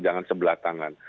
jangan sebelah tangan